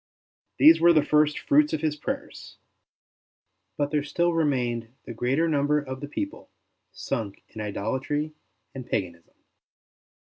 These were the first 56 ST. BENEDICT fruits of his prayers ; but there still remained the greater number of the people, sunk in idolatry and paganism.